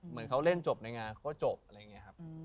เหมือนเขาเล่นจบในงานเขาก็จบอะไรอย่างนี้ครับ